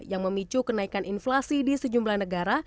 yang memicu kenaikan inflasi di sejumlah negara